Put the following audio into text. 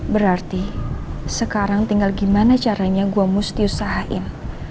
berarti sekarang tinggal gimana caranya gue mesti usahain